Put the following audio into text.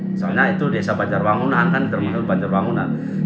misalnya itu desa banjarawangunan kan termasuk banjarawangunan